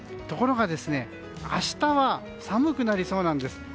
ところが、明日は寒くなりそうなんです。